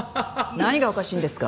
何がおかしいんですか？